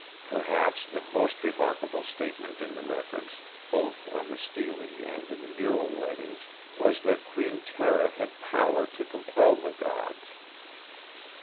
"Perhaps the most remarkable statement in the records, both on the Stele and in the mural writings, was that Queen Tera had power to compel the Gods.